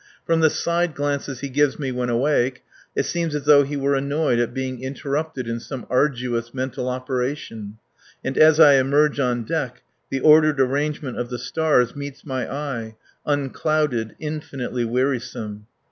From the side glance he gives me when awake it seems as though he were annoyed at being interrupted in some arduous mental operation; and as I emerge on deck the ordered arrangement of the stars meets my eye, unclouded, infinitely wearisome.